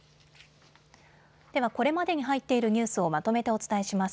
ではこれまでに入っているニュースをまとめてお伝えします。